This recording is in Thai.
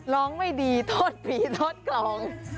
ล้องไม่ดีต้นผีต้นคลอง